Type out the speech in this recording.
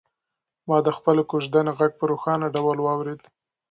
ما د خپلې کوژدنې غږ په روښانه ډول واورېد.